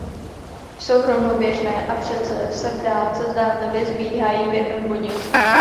Jsou rovnoběžné a přece se v dálce zdánlivě sbíhají v jednom bodě.